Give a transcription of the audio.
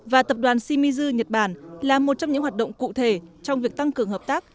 và tập đoàn shimizu nhật bản là một trong những hoạt động cụ thể trong việc tăng cường hợp tác